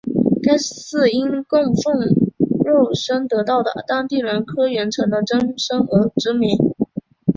该寺因供奉肉身得道的当地人柯云尘的真身而知名。